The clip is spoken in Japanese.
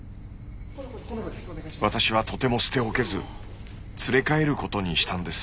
私はとても捨て置けず連れ帰ることにしたんです。